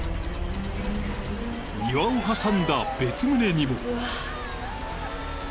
［庭を挟んだ別棟にも］